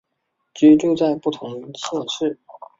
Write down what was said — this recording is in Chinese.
居住在不同县市